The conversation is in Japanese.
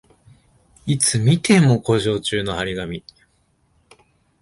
いつ見ても故障中の張り紙